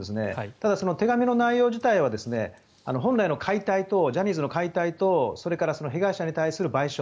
ただ、手紙の内容自体は本来のジャニーズの解体と被害者に対する賠償